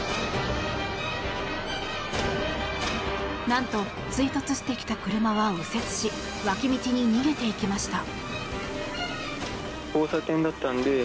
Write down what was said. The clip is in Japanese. なんと、追突してきた車は右折し脇道に逃げていきました。